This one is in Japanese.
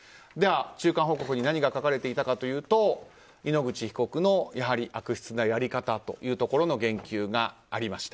中間報告に何が書かれていたかというと井ノ口被告の悪質なやり方へ言及がありました。